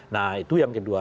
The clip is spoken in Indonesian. nah itu yang kedua